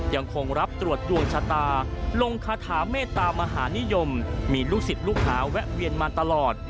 ยังคงรับตรวจดวงชะตาลงคาถามเมตตามหานิยมมีลูกศิษย์ลูกหาแวะเวียนมาตลอด